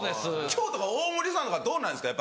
今日とか大盛さんとかどうなんですか？